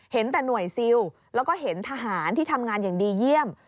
แต่หน่วยซิลแล้วก็เห็นทหารที่ทำงานอย่างดีเยี่ยม